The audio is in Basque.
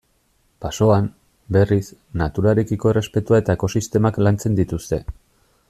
Basoan, berriz, naturarekiko errespetua eta ekosistemak lantzen dituzte.